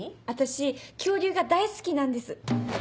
私恐竜が大好きなんです。